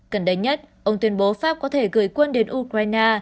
cần đánh nhất ông tuyên bố pháp có thể gửi quân đến ukraine